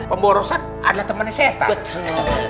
pemborosan adalah temannya setan